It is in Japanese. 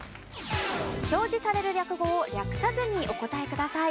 表示される略語を略さずにお答えください。